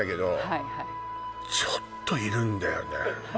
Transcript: はいちょっといるんだよね